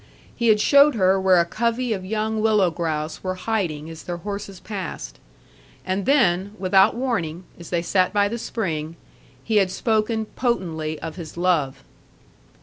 He had showed her where a covey of young willow grouse were hiding as their horses passed. And then, without warning, as they sat by the spring, he had spoken potently of his love.